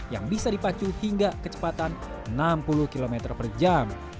yang bisa dipacu hingga kecepatan enam puluh km per jam